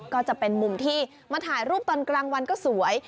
ก็จะเป็นมุมที่มาถ่ายรูปตอนกลางวันก็สวย